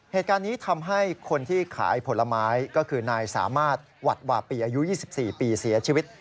เหตุการณ์นี้ทำให้คนที่ขายผลไม้ก็คือนายสามารถหวัดวาปีอายุ๒๔ปีเสียชีวิต